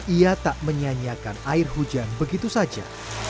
ia tak menyanyiakan air hujan begitu saja